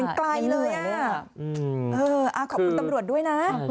ไกลเลยอ่ะเออขอบคุณตำรวจด้วยนะ